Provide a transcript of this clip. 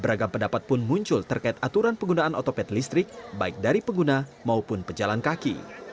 beragam pendapat pun muncul terkait aturan penggunaan otopet listrik baik dari pengguna maupun pejalan kaki